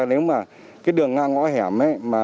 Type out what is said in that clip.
nếu mà cái đường ngang ngõ hẻm